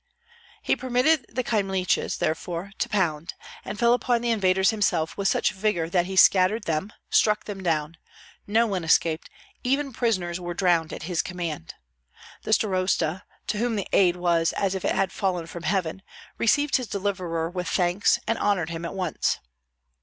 He permitted the Kyemliches, therefore, "to pound," and fell upon the invaders himself with such vigor that he scattered them, struck them down; no one escaped, even prisoners were drowned at his command. The starosta, to whom the aid was as if it had fallen from heaven, received his deliverer with thanks and honored him at once.